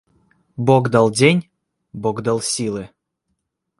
Бог дал день, Бог дал силы.